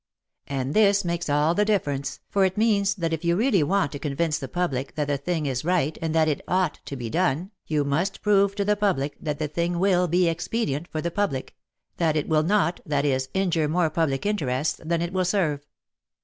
And this makes all the difference, for it means that if you really want to convince the public that a thing is right and that it ought to be done, you must prove to the public that the thing will be expedient for the public — that it will not, that is, injure more public interests than it will serve.